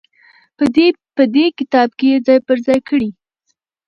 په دې کتاب کې يې ځاى په ځاى کړي دي.